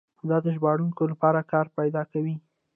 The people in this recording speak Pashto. دا د ژباړونکو لپاره کار پیدا کوي.